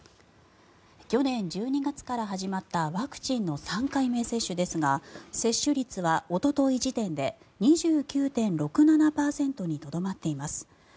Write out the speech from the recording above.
去年１２月から始まったワクチンの３回目接種ですが接種率はおととい時点で２９．６７％にとどまっています。